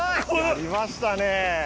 ・やりましたね！